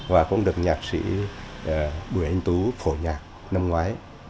và cũng được nhạc sĩ bùi anh tú phổ nhạc năm ngoái